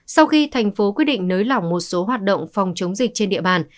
sau khi thành phố quyết định nới lỏng một số hoạt động phòng chống dịch trên địa bàn